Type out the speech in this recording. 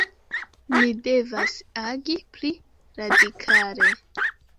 Ni devas agi pli radikale.